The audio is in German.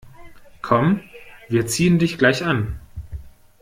Komm, wir ziehen dich gleich an.